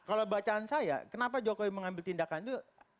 kalau bacaan saya kenapa jokowi mengambil tindakan itu